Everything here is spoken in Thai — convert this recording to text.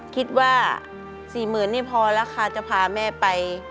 คิดว่า๔๐๐๐๐บาทนี่พอราคาจะพาแม่ไป